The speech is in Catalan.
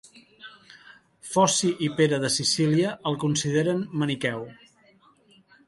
Foci i Pere de Sicília el consideren maniqueu.